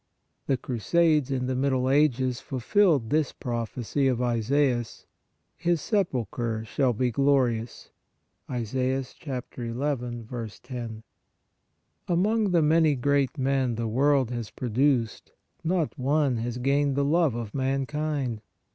The Crusades in the Mid dle Ages fulfilled this prophecy of Isaias (u. 10) :" His sepulchre shall be glorious." Among the many great men the world has produced, not one has gained the love of mankind.